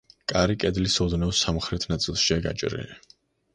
კარი კედლის ოდნავ სამხრეთ ნაწილშია გაჭრილი.